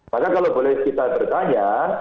maka kalau boleh kita bertanya